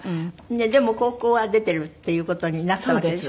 でも高校は出てるっていう事になったわけでしょ？